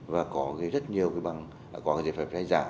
và có rất nhiều cái bằng có cái giấy phép lái giả